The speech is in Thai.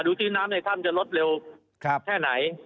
ดูสิน้ำในถ้ำจะลดเร็วแค่ไหน